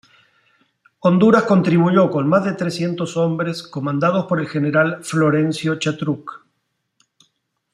Honduras contribuyó con más de trescientos hombres comandados por el general Florencio Xatruch.